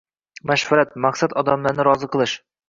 Mashvarat: maqsad – odamlarni rozi qilish